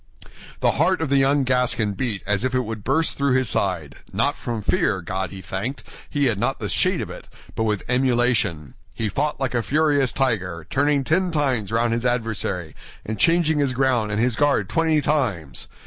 The heart of the young Gascon beat as if it would burst through his side—not from fear, God be thanked, he had not the shade of it, but with emulation; he fought like a furious tiger, turning ten times round his adversary, and changing his ground and his guard twenty times.